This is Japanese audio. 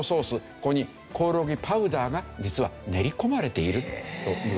ここにコオロギパウダーが実は練り込まれているというわけです。